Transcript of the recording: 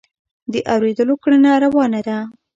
د اورېدلو کړنه روانه ده.